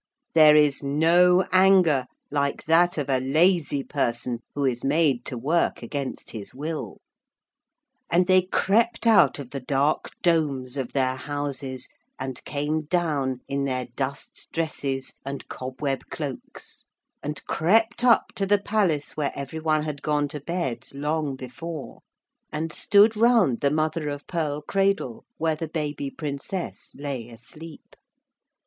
There is no anger like that of a lazy person who is made to work against his will. And they crept out of the dark domes of their houses and came down in their dust dresses and cobweb cloaks, and crept up to the palace where every one had gone to bed long before, and stood round the mother of pearl cradle where the baby princess lay asleep.